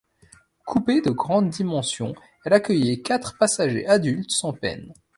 Coupé de grandes dimensions, elle accueillait quatre passagers adultes sans peine.